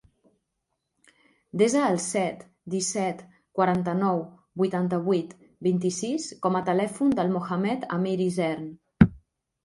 Desa el set, disset, quaranta-nou, vuitanta-vuit, vint-i-sis com a telèfon del Mohamed amir Isern.